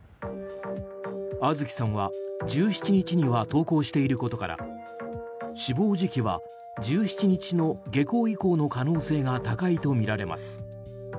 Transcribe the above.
杏月さんは１７日には登校していることから死亡時期は１７日の下校以降の可能性が高いとみられます。